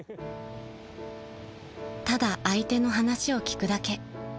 ［ただ相手の話を聞くだけ］